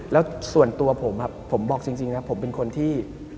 แล้วส่วนตัวผมผมบอกจริงนะผมเป็นคนที่